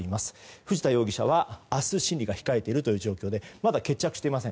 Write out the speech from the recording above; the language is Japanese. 藤田容疑者は明日、審理が控えている状況でまだ決着していません。